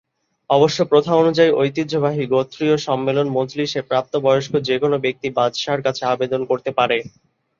অবশ্য প্রথা অনুযায়ী ঐতিহ্যবাহী "গোত্রীয় সম্মেলন মজলিসে" প্রাপ্ত বয়স্ক যেকোনো ব্যক্তি বাদশাহর কাছে আবেদন করতে পারে।